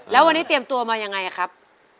แล้ววันนี้เตรียมตัวมายังไงครับ